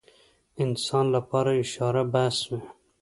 انسان لپاره اشاره بس وي.